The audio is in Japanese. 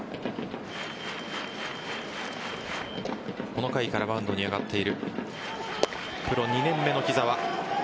この回からマウンドに上がっているプロ２年目の木澤。